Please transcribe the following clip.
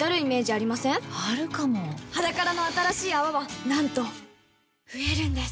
あるかも「ｈａｄａｋａｒａ」の新しい泡はなんと増えるんです